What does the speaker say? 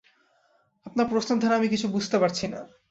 আপনার প্রশ্নের ধারা আমি বুঝতে পারছি না।